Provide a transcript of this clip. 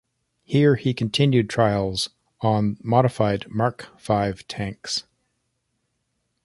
Here he continued trials on modified Mark Five tanks.